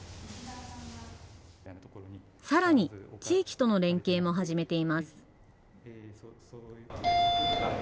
さらに地域との連携も始めています。